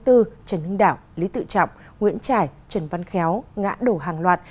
trần hưng đạo lý tự trọng nguyễn trải trần văn khéo ngã đổ hàng loạt